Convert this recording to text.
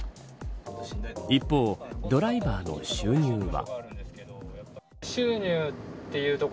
一方、ドライバーの収入は。